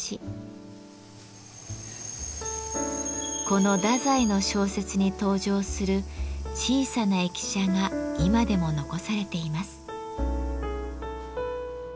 この太宰の小説に登場する小さな駅舎が今でも残されています。